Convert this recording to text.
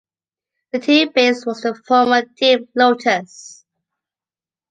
The team base was the former Team Lotus.